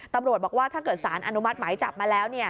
ตำรวจบอกว่าถ้าเกิดสารอนุมัติหมายจับมาแล้ว